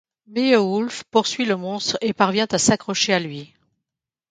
Beowulf poursuit le monstre et parvient à s’accrocher à lui.